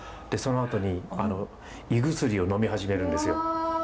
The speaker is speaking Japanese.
でそのあとに胃薬をのみ始めるんですよ。